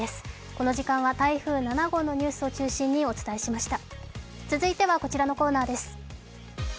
この時間は台風７号のニュースを中心にお送りしました。